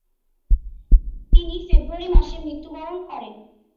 তিনি ফেব্রুয়ারি মাসে মৃত্যুবরণ করেন।